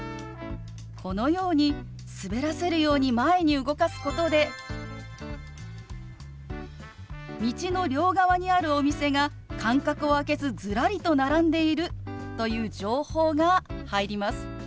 このように滑らせるように前に動かすことで道の両側にあるお店が間隔を空けずずらりと並んでいるという情報が入ります。